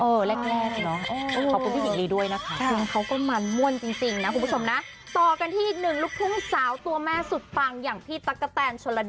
เออแรกเนาะขอบคุณพี่หญิงลีด้วยนะคะ